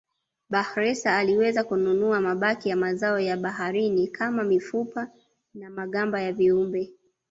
Bakhresa aliweza kununua mabaki ya mazao ya baharini kama mifupa na magamba ya viumbe